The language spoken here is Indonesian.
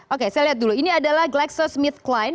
oke saya lihat dulu ini adalah glaxosmithkline